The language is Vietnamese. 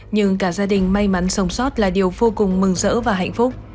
nhưng cả gia đình may mắn sống sót là điều vô cùng mừng rỡ và hạnh phúc